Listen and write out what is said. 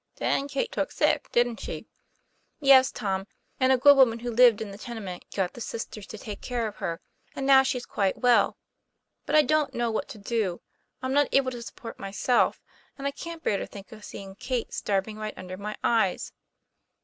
"Then Kate took sick, didn't she ?" "Yes, Tom; and a good woman who lived in the tenement got the sisters to take care of her, and now she's quite well. But I don't know what to do. I'm not able to support myself; and I can't bear to think of seeing Kate starving right under my eyes."